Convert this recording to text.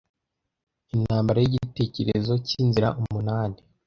intambara yigitekerezo cyinzira umunani